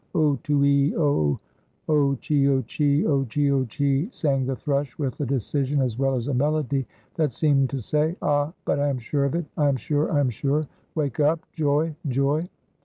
o tuee oo! o chio chee! o chio chee! sang the thrush, with a decision as well as a melody that seemed to say: "Ah! but I am sure of it; I am sure, I am sure, wake up, joy! joy!"